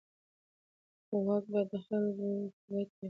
واک باید د خلکو په ګټه وي.